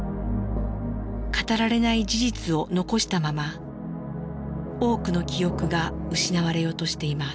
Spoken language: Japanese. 語られない事実を残したまま多くの記憶が失われようとしています。